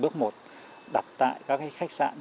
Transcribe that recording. bước một đặt tại các khách sạn